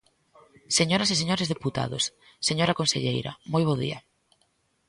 Señoras e señores deputados, señora conselleira, moi bo día.